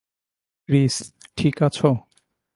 Chris, ঠিক আছো?